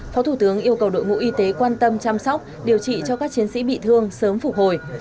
phó thủ tướng yêu cầu đội ngũ y tế quan tâm chăm sóc điều trị cho các chiến sĩ bị thương sớm phục hồi